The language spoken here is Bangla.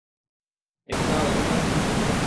একটু দাঁড়াও এটার দ্বারা কি বুঝালে?